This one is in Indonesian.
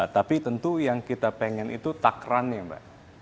tapi tentu yang kita pengen itu takrannya mbak